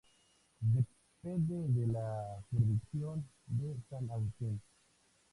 Depende de la jurisdicción de San Agustín.